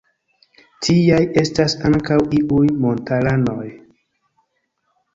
Tiaj estas ankaŭ iuj montaranoj.